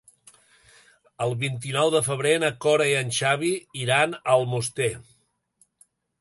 El vint-i-nou de febrer na Cora i en Xavi iran a Almoster.